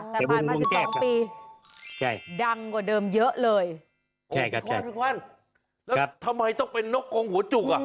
แล้วทำไมต้องเป็นนกโรงหัวจุก